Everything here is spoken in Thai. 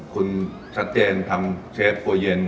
คุณชัทเตียนเชฟขั้วเย็น